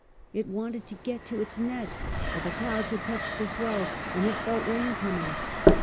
It wanted to get to its nest, for the clouds had touched the swells, and it felt rain coming.